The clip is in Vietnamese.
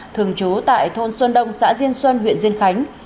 thường trú tại thôn xuân đông xã diên xuân huyện diên khánh